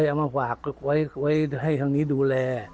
เอามาฝากไว้ให้ทางนี้ดูแล